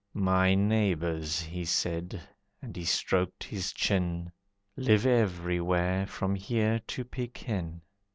"My neighbours," he said, and he stroked his chin, "Live everywhere from here to Pekin.